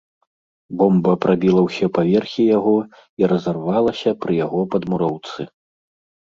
Бомба прабіла ўсе паверхі яго і разарвалася пры яго падмуроўцы.